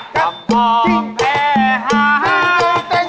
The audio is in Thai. กลับมาวมแพ้หัง